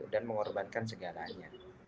dan mengorbankan segalanya